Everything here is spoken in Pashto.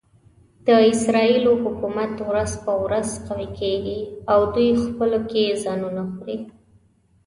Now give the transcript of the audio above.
د اسرایلو حکومت ورځ په ورځ قوي کېږي او دوی خپلو کې ځانونه خوري.